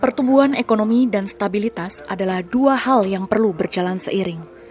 pertumbuhan ekonomi dan stabilitas adalah dua hal yang perlu berjalan seiring